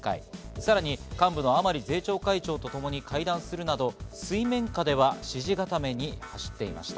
さらに幹部の甘利政調会長と共に会談するなど水面下では支持固めに走っていました。